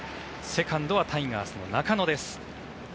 セカンドはタイガースの中野です。